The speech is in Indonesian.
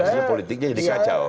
akhirnya politiknya jadi kacau